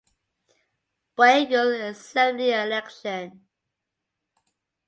Bengal Assembly election.